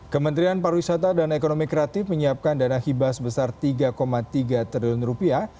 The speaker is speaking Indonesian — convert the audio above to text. kementerian pariwisata dan ekonomi kreatif menyiapkan dana hibah sebesar tiga tiga triliun rupiah